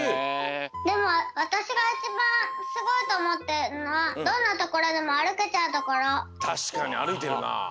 でもわたしがいちばんすごいとおもってるのはたしかにあるいてるな。